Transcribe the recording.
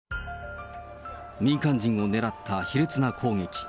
民間人を狙った卑劣な攻撃。